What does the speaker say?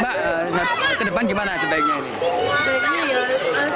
mbak ke depan gimana sebaiknya ini